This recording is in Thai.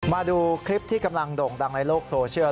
มาดูคลิปที่กำลังโด่งดังในโลกโซเชียล